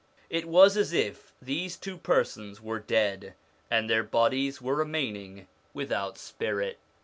1 It was as if these two persons were dead, and their bodies were remaining without spirit.